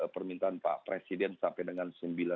permintaan pak presiden sampai dengan